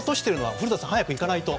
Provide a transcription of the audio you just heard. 古田さん、早く行かないと！